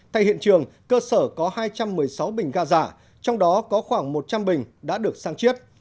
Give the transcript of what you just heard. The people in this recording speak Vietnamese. tại hiện trường cơ sở có hai trăm một mươi sáu bình ga giả trong đó có khoảng một trăm linh bình đã được sang chiết